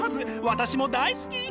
私も大好き！